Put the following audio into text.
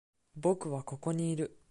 僕はここにいる。